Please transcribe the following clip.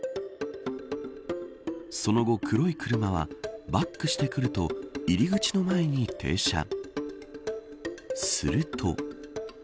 その後、黒い車はバックしてくると入り口の前に停車すると。